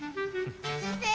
先生！